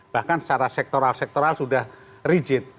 bahkan secara sektoral sektoral sudah rigid